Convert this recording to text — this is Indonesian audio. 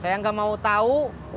saya nggak mau tahu